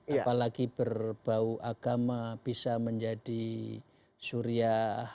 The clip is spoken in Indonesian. apalagi berbau agama bisa menjadi surya